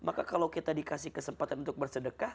maka kalau kita dikasih kesempatan untuk bersedekah